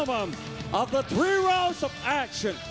หลังจาก๓ราวด์แอคชั่น